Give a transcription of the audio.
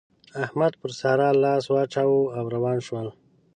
احمد پر سارا لاس واچاوو او روان شول.